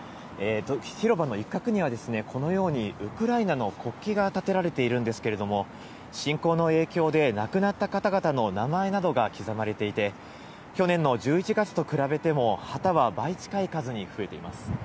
広場の一角には、このように、ウクライナの国旗が立てられているんですけれども、侵攻の影響で亡くなった方々の名前などが刻まれていて、去年の１１月と比べても、旗は倍近い数に増えています。